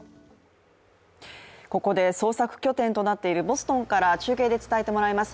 ここで捜索拠点となっているボストンから中継で伝えてもらいます。